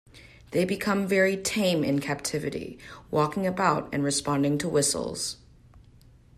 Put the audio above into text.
They become very tame in captivity, walking about and responding to whistles.